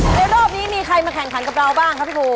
รอบนี้มีใครมาแข่งขันกับเราบ้างครับพี่ปู